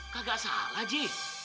kagak salah ji